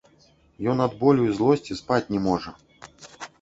Ён ад болю і злосці спаць не можа.